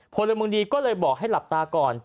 พลเมืองดีก็เลยบอกให้หลับตาก่อน